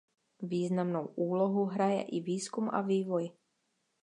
Významnou úlohu hraje i výzkum a vývoj.